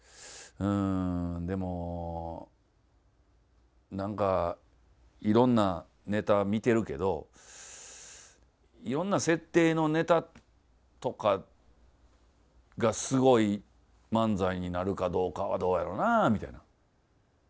うんでも何かいろんなネタ見てるけどいろんな設定のネタとかがすごい漫才になるかどうかはどうやろなみたいな。